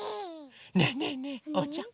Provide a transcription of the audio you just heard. ねえねえねえおうちゃん。